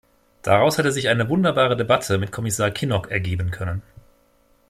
Daraus hätte sich eine wunderbare Debatte mit Kommissar Kinnock ergeben können.